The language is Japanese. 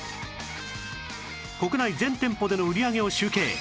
国内全店舗での売り上げを集計！